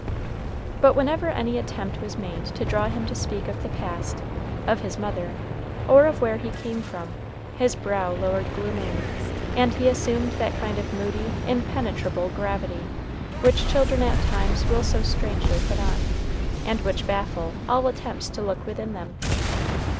But whenever any attempt was made to draw him to speak of the past, of his mother, or of where he came from, his brow lowered gloomily, and he assumed that kind of moody, impenetrable gravity, which children at times will so strangely put on, and which baffle all attempts to look within them.